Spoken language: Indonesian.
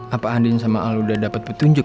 apa andin sama al udah dapat petunjuk